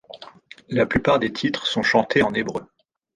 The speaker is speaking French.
La plupart des titres sont chantés en hébreu.